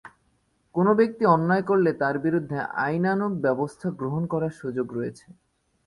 কোনো ব্যক্তি অন্যায় করলে তাঁর বিরুদ্ধে আইনানুগ ব্যবস্থা গ্রহণ করার সুযোগ রয়েছে।